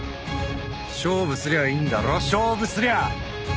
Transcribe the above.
勝負すりゃいいんだろ勝負すりゃあ！